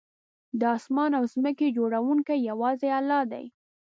د آسمان او ځمکې جوړونکی یوازې الله دی